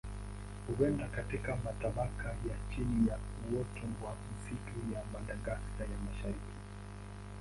Huenda katika matabaka ya chini ya uoto wa misitu ya Madagaska ya Mashariki.